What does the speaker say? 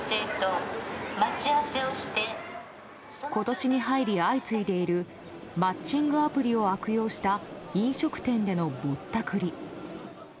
今年に入り相次いでいるマッチングアプリを悪用した飲食店でのぼったくり。